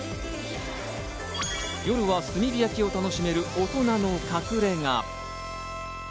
夜は炭火焼きを楽しめる大人の隠れ家。